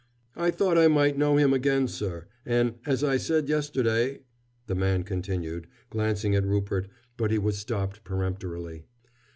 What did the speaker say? "I thought I might know him again, sir, an', as I said yesterday " the man continued, glancing at Rupert, but he was stopped peremptorily.